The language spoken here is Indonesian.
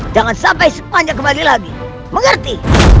jangan sampai sepanjang kembali lagi mengerti